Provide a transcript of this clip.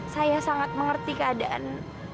saya sangat mengerti keadaan